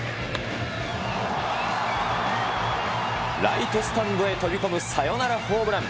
ライトスタンドへ飛び込むサヨナラホームラン。